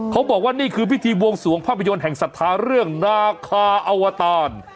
เขาบอกว่านี่คือพิธีบวงสวงภาพยนตร์แห่งศรัทธาเรื่องนาคาอวตาร